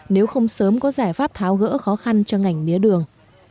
nếu không sớm có giải pháp tháo gỡ khó khăn cho ngành mía đường